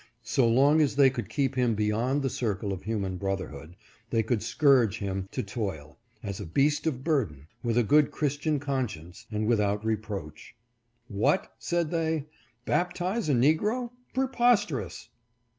So long as they could keep him beyond the circle of human brotherhood, they could scourge him to toil, as a beast of burden, with a good Christian conscience, and without reproach. "What!" said they, "baptize a negro? pre posterous